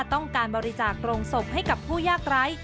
ต้องการบริจาคโรงศพให้กับผู้ยากไร้